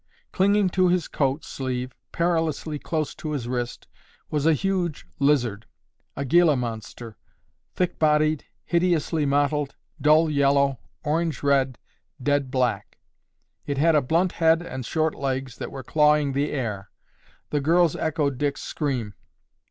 Clinging to his coat sleeve, perilously close to his wrist, was a huge lizard, a Gila Monster, thick bodied, hideously mottled, dull yellow, orange red, dead black. It had a blunt head and short legs that were clawing the air. The girls echoed Dick's scream.